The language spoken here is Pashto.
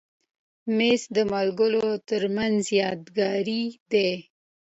مېز د ملګرو تر منځ یادګاري دی.